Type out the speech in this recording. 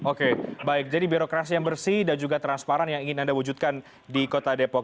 oke baik jadi birokrasi yang bersih dan juga transparan yang ingin anda wujudkan di kota depok